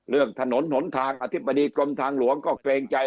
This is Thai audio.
เรื่องถนนหนทางอธิบดีกรมทางหลวงก็เกรงใจ